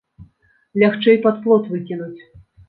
Лягчэй пад плот выкінуць.